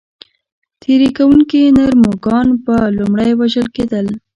تېري کوونکي نر مږان به لومړی وژل کېدل.